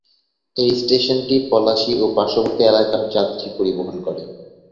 এই স্টেশনটি পলাশী ও পার্শ্ববর্তী এলাকার যাত্রী পরিবহন করে।